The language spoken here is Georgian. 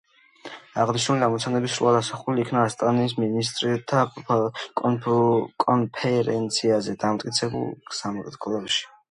აღნიშნული ამოცანები სრულად ასახული იქნა ასტანის მინისტრთა კონფერენციაზე დამტკიცებულ „გზამკვლევში“.